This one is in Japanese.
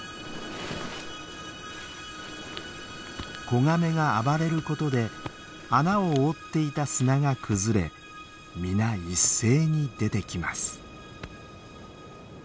子ガメが暴れることで穴を覆っていた砂が崩れ皆一斉に出てきます。